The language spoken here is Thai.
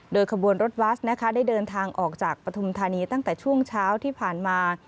โดยขบวนรถบัสนะคะได้เดินทางออกจากปฐุมธานีตั้งแต่ช่วงเช้าที่ผ่านมา